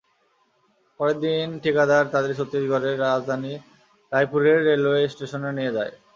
পরের দিন ঠিকাদার তাঁদের ছত্তিশগড়ের রাজধানী রায়পুরের রেলওয়ে স্টেশনে নিয়ে যায়।